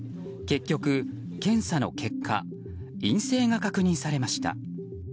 結局、検査の結果陰性が確認されました。